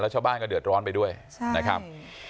ชาวบ้านก็เดือดร้อนไปด้วยนะครับ